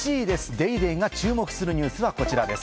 『ＤａｙＤａｙ．』が注目するニュースはこちらです。